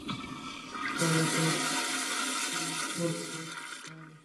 তার ওপর এই উদ্ভট ভং!